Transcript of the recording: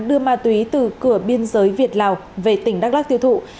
đưa ma túy từ cửa biên giới việt lào về tỉnh đắk lắc tiêu thụ